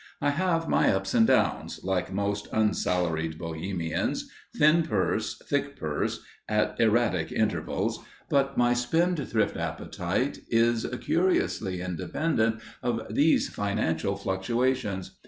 I have my ups and downs, like most unsalaried Bohemians, thin purse, thick purse, at erratic intervals, but my spendthrift appetite is curiously independent of these financial fluctuations.